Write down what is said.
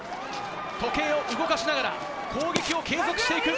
時計を動かしながら、攻撃を継続していく。